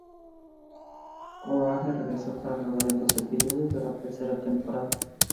Courage regresó para grabar en dos episodios de la tercera temporada.